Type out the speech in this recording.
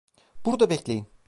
Burada bekleyin.